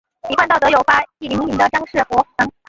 一贯道则有发一灵隐的张氏佛堂。